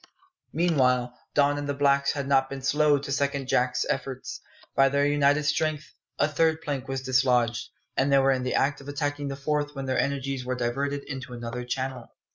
Meanwhile Don and the blacks had not been slow to second Jack's efforts. By their united strength a third plank was dislodged, and they were in the act of attacking the fourth when their energies were diverted into another channel.